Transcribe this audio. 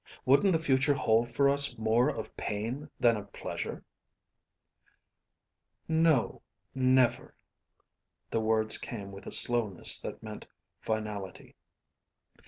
Wouldn't the future hold for us more of pain than of pleasure?" "No, never." The words came with a slowness that meant finality.